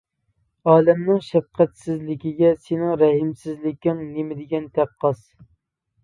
ئالەمنىڭ شەپقەتسىزلىكىگە سېنىڭ رەھىمسىزلىكىڭ نېمىدېگەن تەققاس!